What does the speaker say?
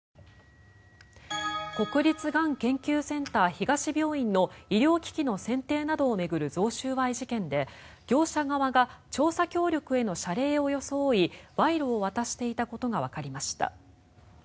国立がん研究センター東病院の医療機器の選定などを巡る贈収賄事件で業者側が調査協力への謝礼を装い賄賂を渡していたことがわかりました。